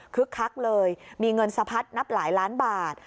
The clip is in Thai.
คักเลยมีเงินสะพัดนับหลายล้านบาท